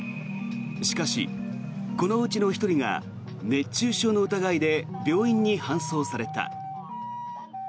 しかし、このうちの１人が熱中症の疑いで病院に搬送された。